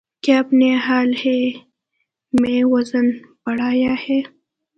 کیا آپ نے حال ہی میں وزن بڑهایا ہے